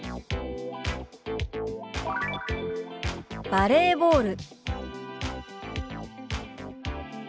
「バレーボール」。